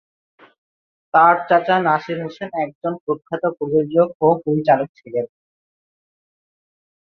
তার চাচা নাসির হোসেন একজন প্রখ্যাত প্রযোজক ও পরিচালক ছিলেন।